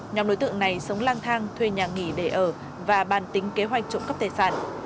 nhóm đối tượng này sống lang thang thuê nhà nghỉ để ở và bàn tính kế hoạch trộm cắp tài sản